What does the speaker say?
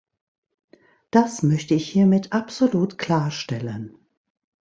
Das möchte ich hiermit absolut klarstellen.